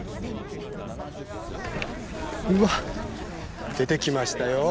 うわっ出てきましたよ。